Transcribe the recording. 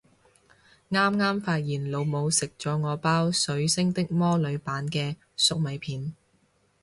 啱啱發現老母食咗我包水星的魔女版嘅粟米片